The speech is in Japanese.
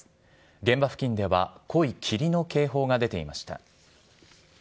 現場付近では濃い霧の警報が出ていました。